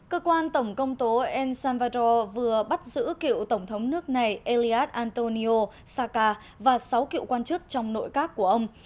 cơ quan tổng công tố el salvador vừa bắt giữ cựu tổng thống nước này elliad antonio saka và sáu cựu quan chức trong nội các của ông